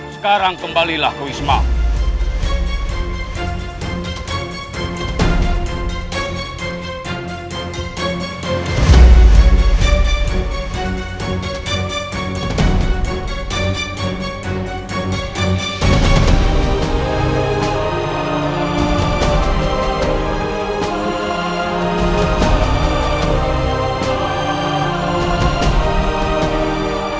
sekarang kembalilah ke ismail